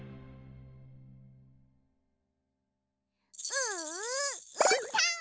ううーたん！